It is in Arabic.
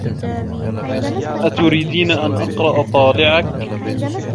أتريدين أن أقرأ طالعكِ؟